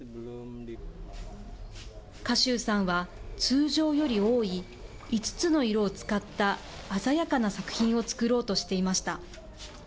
賀集さんは通常より多い、５つの色を使った鮮やかな作品を作ろうとしていました。